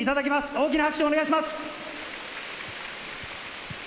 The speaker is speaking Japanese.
大きな拍手をお願いします。